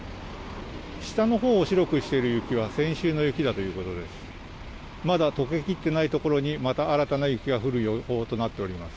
下のほうを白くしている雪は先週の雪だということです。